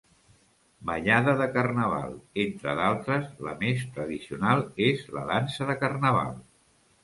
Ballada de Carnaval, entre d'altres la més tradicional és la dansa de Carnaval.